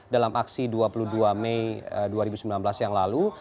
dalam aksi dua puluh dua mei dua ribu sembilan belas yang lalu